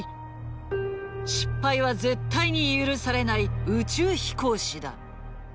失敗は絶対に許されない宇宙飛行士だ。